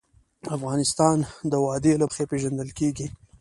افغانستان د وادي له مخې پېژندل کېږي.